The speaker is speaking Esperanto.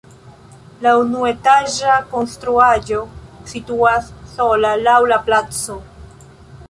La unuetaĝa konstruaĵo situas sola laŭ la placo.